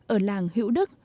ở làng hữu đức